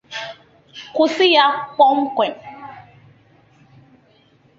kwụsi ya kpamkpam.